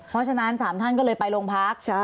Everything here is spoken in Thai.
เพราะฉะนั้น๓ท่านก็เลยไปโรงพัก